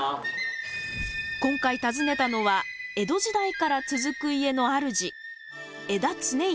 今回訪ねたのは江戸時代から続く家の主江田常一さん。